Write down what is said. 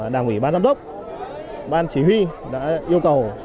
đảng ủy ban giám đốc ban chỉ huy đã yêu cầu